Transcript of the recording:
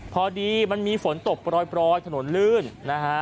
พอดีมันมีฝนตกปล่อยถนนลื่นนะฮะ